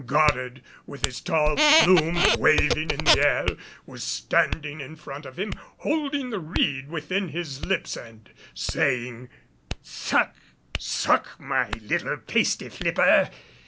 Goddard, with his tall plume waving in the air, was standing in front of him holding the reed within his lips and saying, "Suck, suck my little pasty flipper!